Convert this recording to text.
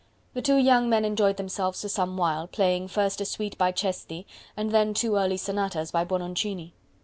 The two young men enjoyed themselves for some while, playing first a suite by Cesti, and then two early sonatas by Buononcini.